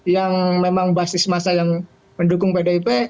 yang memang basis masa yang mendukung pdip